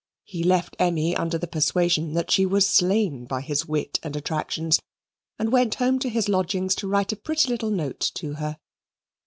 He left Emmy under the persuasion that she was slain by his wit and attractions and went home to his lodgings to write a pretty little note to her.